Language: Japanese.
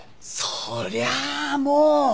そりゃあもう！